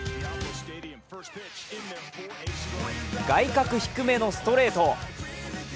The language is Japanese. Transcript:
外角低めのストレート。